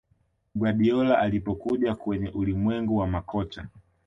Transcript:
Guardiola alipokuja kwenye ulimwengu wa makocha